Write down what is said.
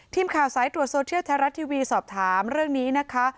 ทีมข่าวสายตรวจโซเทียลไทยรัฐทีวีสอบถามเรื่องนี้นะคะ